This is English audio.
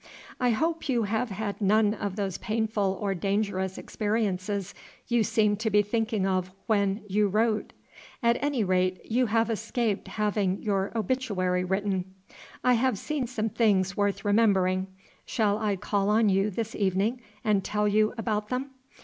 "I hope you have had none of those painful or dangerous experiences you seemed to be thinking of when you wrote; at any rate, you have escaped having your obituary written." "I have seen some things worth remembering. Shall I call on you this evening and tell you about them?"